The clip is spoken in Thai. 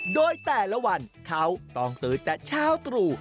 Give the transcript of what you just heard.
โดยแต่ละวันเขาต้องตื่นแต่เช้าตรู่